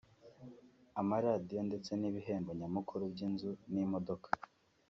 amaradiyo ndetse n'ibihembo nyamukuru by'inzu n'imodoka